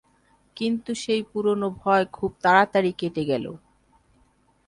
কিন্তু সেই পুরোনো ভয় খুব তাড়াতাড়ি কেটে গেল।